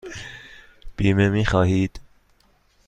بیمه می خواهید؟